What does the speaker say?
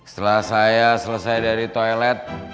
setelah saya selesai dari toilet